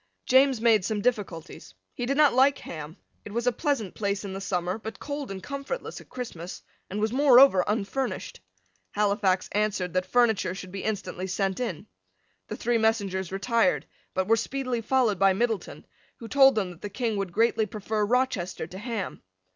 James made some difficulties. He did not like Ham. It was a pleasant place in the summer, but cold and comfortless at Christmas, and was moreover unfurnished. Halifax answered that furniture should be instantly sent in. The three messengers retired, but were speedily followed by Middleton, who told them that the King would greatly prefer Rochester to Ham.